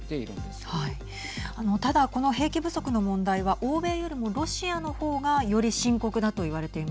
ただ、この兵器不足の問題は欧米よりもロシアの方がより深刻だとはい。